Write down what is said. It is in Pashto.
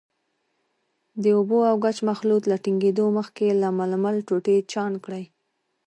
د اوبو او ګچ مخلوط له ټینګېدو مخکې له ململ ټوټې چاڼ کړئ.